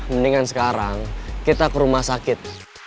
mendingan sekarang kita ke rumah sakit